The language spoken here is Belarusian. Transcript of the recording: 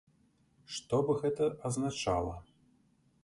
Што б гэта азначала?